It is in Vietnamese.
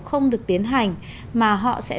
không được tiến hành mà họ sẽ